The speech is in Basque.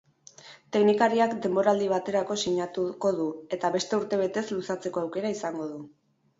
Teknikariak denboraldi baterako sinatuko du, eta beste urtebetez luzatzeko aukera izango du.